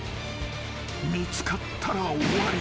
［見つかったら終わり］